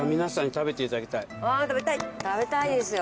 食べたいですよ。